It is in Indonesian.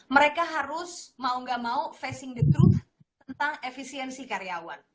mereka harus mau gak mau facing the troove tentang efisiensi karyawan